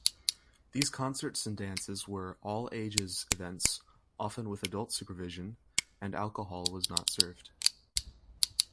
These concerts and dances were 'all-ages' events-often with adult supervision-and alcohol was not served.